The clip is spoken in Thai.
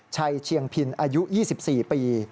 ชัยเชียงพินอายุ๒๔ปี